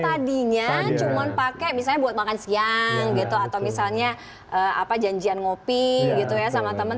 tadinya cuman pakai misalnya buat makan siang gitu atau misalnya apa janjian ngopi gitu ya sama temen